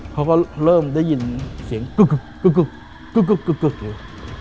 เขาก็เริ่มได้ยินเสียงกึ๊กเลย